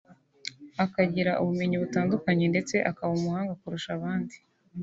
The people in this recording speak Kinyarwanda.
ukagira ubumenyi butandukanye ndetse ukaba umuhanga kurusha abandi